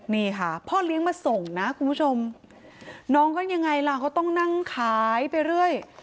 นี่ค่ะพ่อเลี้ยงมาส่งนะคุณผู้ชมน้องก็ยังไงล่ะเขาต้องนั่งขายไปเรื่อย